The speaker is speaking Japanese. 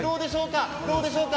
どうでしょうか？